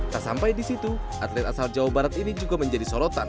tak sampai di situ atlet asal jawa barat ini juga menjadi sorotan